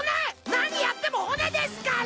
何やっても骨ですから！